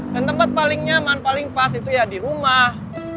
dan tempat paling nyaman paling pas itu ya di rumah